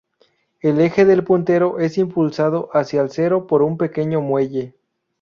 El eje del puntero es impulsado hacia el cero por un pequeño muelle.